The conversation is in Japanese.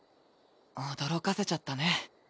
驚かせちゃったね。